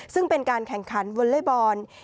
ซึ่งเป็นการแข่งขันวอลเล่บอล